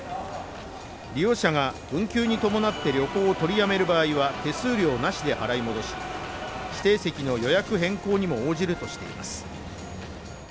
利用者が運休に伴って旅行を取りやめる場合は手数料なしで払い戻し、指定席の予約変更にも応じるとしています。